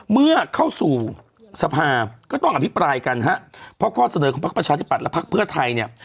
เมื่อเข้าสู่สภาก็ต้องอภิปรายกันฮะเพราะข้อเสนอของพักประชาธิบัตย์และพักเพื่อไทยเนี่ย